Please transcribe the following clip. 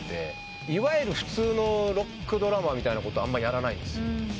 いわゆる普通のロックドラマーみたいなことあんまやらないんです。